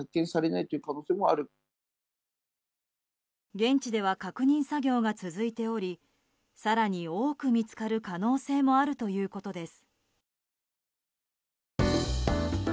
現地では確認作業が続いており更に多く見つかる可能性もあるということです。